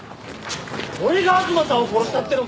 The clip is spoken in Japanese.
俺が吾妻さんを殺したってのか！？